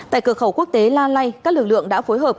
tại cửa khẩu quốc tế la lai các lực lượng đã phối hợp